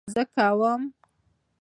زه کوم